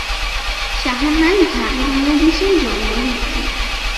শাহনাজ ঢাকা বাংলাদেশে জন্মগ্রহণ করেন।